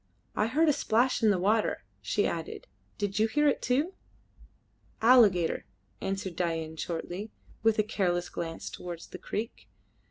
"I heard a splash in the water," she added. "Did you hear it too?" "Alligator," answered Dain shortly, with a careless glance towards the creek.